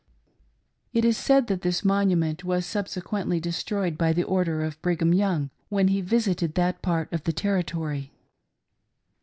"It is said that this monument was subsequently destroyed by order of Brigham Young, when he visited that part of the Territory.